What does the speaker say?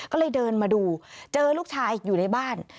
ก็เลยเดินมาดูเจอลูกชายอยู่ในบ้าน